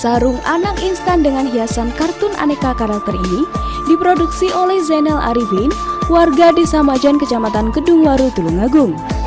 sarung anak instan dengan hiasan kartun aneka karakter ini diproduksi oleh zainal arifin warga desa majan kecamatan kedungwaru tulungagung